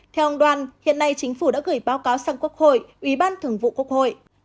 theo ông đoan hiện nay chính phủ đã gửi báo cáo sang quốc hội ủy ban thường vụ quốc hội